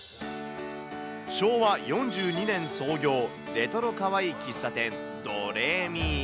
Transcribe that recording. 昭和４２年創業、レトロかわいい喫茶店、ドレミ。